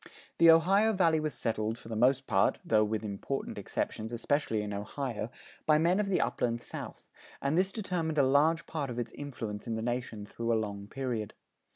The Ohio Valley was settled, for the most part (though with important exceptions, especially in Ohio), by men of the Upland South, and this determined a large part of its influence in the nation through a long period.